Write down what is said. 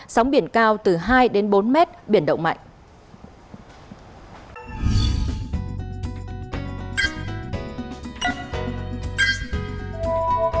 sóng biển cao từ hai đến bốn mét biển động mạnh